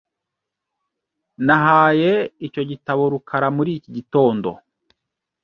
Nahaye icyo gitabo rukara muri iki gitondo .